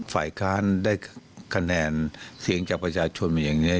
ฝ่ายค้านได้คะแนนเสียงจากประชาชนมาอย่างนี้